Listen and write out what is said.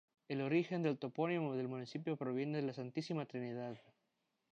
El origen del topónimo del municipio proviene de la Santísima Trinidad.